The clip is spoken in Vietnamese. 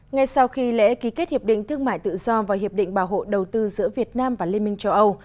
ngay sau khi lễ ký kết hiệp định thương mại tự do và hiệp định bảo hộ đầu tư giữa việt nam và liên minh châu âu